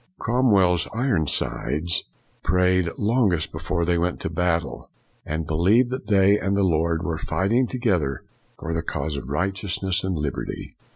Cromwell's Ironsides prayed longest before they went to battle, and believed that they and the Lord were fighting together for the cause of right eousness and liberty.